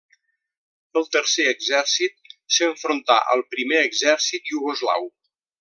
El Tercer Exèrcit s'enfrontà al Primer Exèrcit iugoslau.